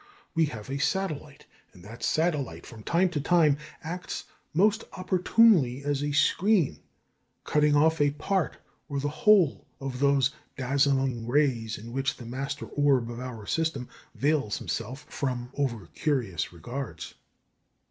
We have a satellite, and that satellite from time to time acts most opportunely as a screen, cutting off a part or the whole of those dazzling rays in which the master orb of our system veils himself from over curious regards.